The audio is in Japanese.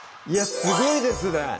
いやすごいですね